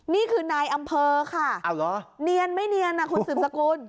นี่คือนายอำเภอค่ะเนียนไม่เนียนนะคุณสืบสกุล